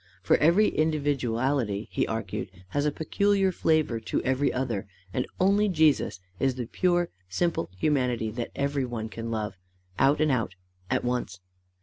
For every individuality, he argued, has a peculiar flavour to every other, and only Jesus is the pure simple humanity that every one can love, out and out, at once.